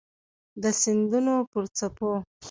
د سیندونو پر څپو